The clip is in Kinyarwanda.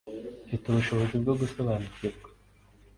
Mufite ubushobozi bwo gusobanukirwa